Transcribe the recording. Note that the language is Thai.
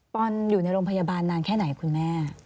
อนอยู่ในโรงพยาบาลนานแค่ไหนคุณแม่